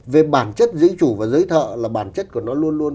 về bản chất giữ chủ và giới thợ là bản chất của nó luôn luôn